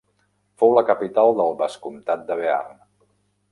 Fou la capital del Vescomtat de Bearn.